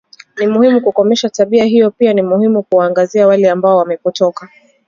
Ni muhimu kukomesha tabia hiyo pia ni muhimu kuwaangazia wale ambao wamepotoka